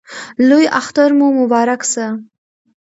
لوی اختر مو مبارک سه!